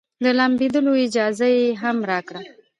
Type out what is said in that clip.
د لامبېدلو اجازه يې هم راکړه.